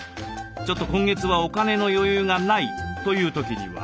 ちょっと今月はお金の余裕がないという時には。